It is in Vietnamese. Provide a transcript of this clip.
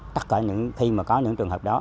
tất cả khi mà có những trường hợp đó